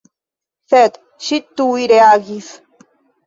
Sed ŝi tuj reagis.